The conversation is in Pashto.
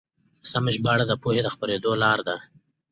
سمه ژباړه د پوهې د خپرېدو لاره ده.